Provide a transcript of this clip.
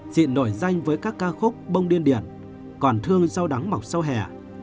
chị nổi danh với các ca khúc bông điên điển còn thương rau đắng mọc sâu hẻ